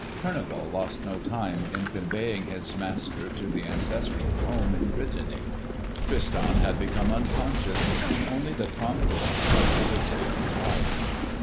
Kurneval lost no time in conveying his master to the ancestral home in Brittany. Tristan had become unconscious, and only the promptest care could save his life.